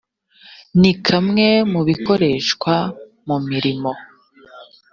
ni kamwe mu bikoreshwa mu murimo.